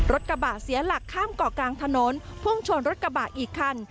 รถกระบะเสียหลักข้ามเกาะกลางถนนพุ่งชนรถกระบะอีกคัน